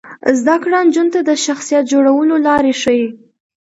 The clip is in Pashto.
زده کړه نجونو ته د شخصیت جوړولو لارې ښيي.